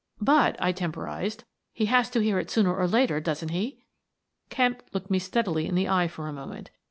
" But," I temporized, " he has to hear it sooner or later, doesn't he?" Kemp looked me steadily in the eye for a moment.